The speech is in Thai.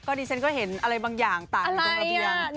ดิฉันก็เห็นอะไรบางอย่างตากอยู่ตรงระเบียง